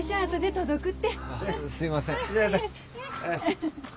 あっすいません。